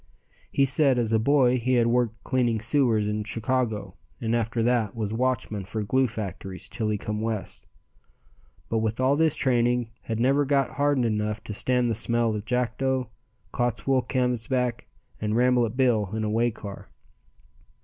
He said as a boy he had worked cleaning sewers in Chicago and after that was watchman for glue factories till he come West, but with all this training had never got hardened enough to stand the smell of Jackdo, Cottswool Canvasback and Rambolet Bill in a way car.